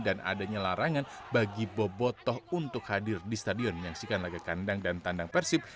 dan adanya larangan bagi bobotoh untuk hadir di stadion menyaksikan laga kandang dan tandang persib